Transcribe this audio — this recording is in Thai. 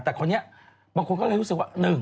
แต่คนนี้บางคนก็เลยรู้สึกว่า